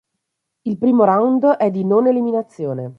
Il primo round è di non eliminazione.